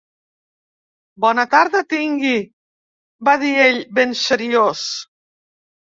"Bona tarda tingui", va dir ell ben seriós.